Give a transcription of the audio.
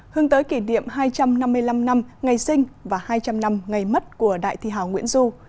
hướng tới kỷ niệm hai trăm năm mươi năm năm ngày sinh và hai trăm linh năm ngày mất của đại thi hào nguyễn du